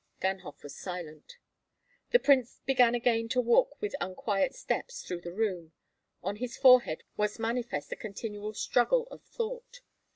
Ganhoff was silent. The prince began again to walk with unquiet steps through the room; on his forehead was manifest a continual struggle of thought.